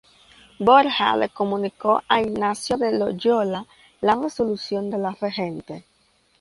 Borja le comunicó a Ignacio de Loyola la resolución de la regente.